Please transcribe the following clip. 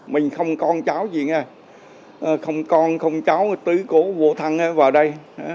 mình không con cháu gì nha không con không cháu tứ cổ vô thăng vào đây